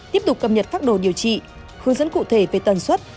tiếp tục cập nhật pháp đồ điều trị hướng dẫn cụ thể về tần suất